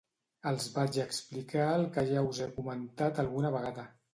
Els vaig explicar el que ja us he comentat alguna vegada